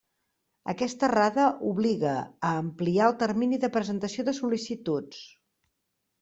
Aquesta errada obliga a ampliar el termini de presentació de sol·licituds.